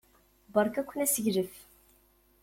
Berka-ken aseglef!